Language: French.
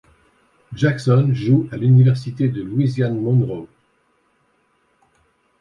Jackson joue à l'université de Louisiane-Monroe.